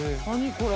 これ。